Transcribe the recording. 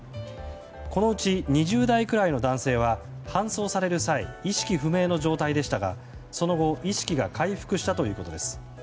このうち２０代くらいの男性は搬送される際意識不明の状態でしたがその後、意識が回復したということです。